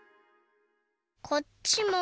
こっちも。